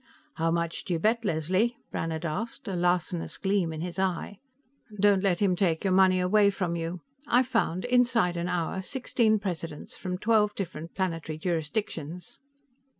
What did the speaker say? "How much do you bet, Leslie?" Brannhard asked, a larcenous gleam in his eye. "Don't let him take your money away from you. I found, inside an hour, sixteen precedents, from twelve different planetary jurisdictions."